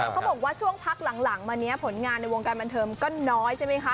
เขาบอกว่าช่วงพักหลังมานี้ผลงานในวงการบันเทิงก็น้อยใช่ไหมคะ